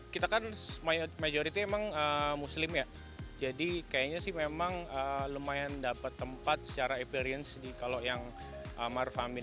kita kan majoriti emang muslim ya jadi kayaknya sih memang lumayan dapat tempat secara experience kalau yang marfamin